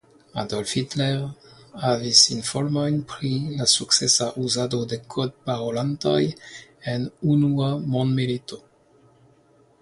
Adolf Hitler havis informojn pri la sukcesa uzado de kodparolantoj en Unua Mondmilito.